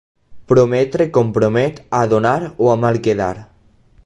Prometre compromet a donar o a mal quedar.